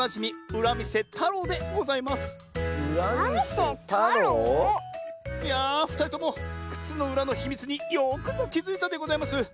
うらみせたろう？いやふたりともくつのうらのひみつによくぞきづいたでございます。